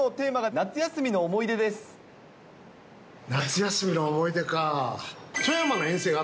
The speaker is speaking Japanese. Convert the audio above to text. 夏休みの思い出かあ。